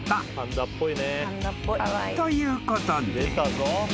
［ということで］